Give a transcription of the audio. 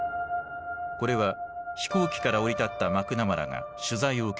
これは飛行機から降り立ったマクナマラが取材を受ける映像。